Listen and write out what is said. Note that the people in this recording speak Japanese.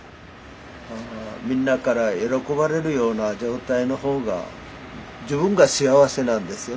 みんなから喜ばれるような状態の方が自分が幸せなんですよね